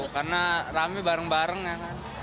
karena rame bareng bareng ya kan